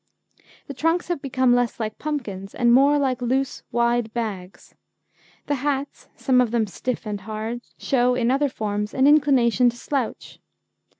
The trunks have become less like pumpkins and more like loose, wide bags. The hats, some of them stiff and hard, show in other forms an inclination to slouch.